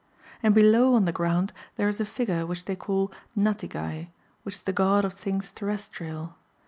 And below on the orround there is a fioure which they call Natigai, which is the god of things terrestrial.